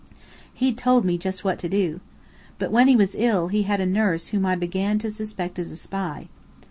He'd told me just what to do. But when he was ill, he had a nurse whom I began to suspect as a spy.